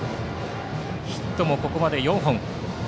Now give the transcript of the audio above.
ヒットもここまで４本。